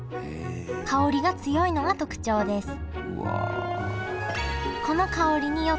香りが強いのが特徴ですうわ！